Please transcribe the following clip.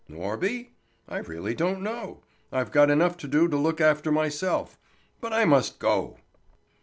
"Norby? I really don't know. I've got enough to do to look after myself. But I must go."